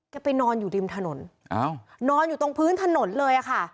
แกไปนอนอยู่ดิมถนนนอนอยู่ตรงพื้นถนนเลยค่ะ